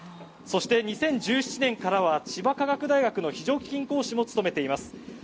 そして、２０１７年からは千葉科学大学の非常勤講師も務めています。